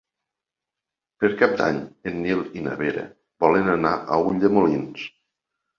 Per Cap d'Any en Nil i na Vera volen anar a Ulldemolins.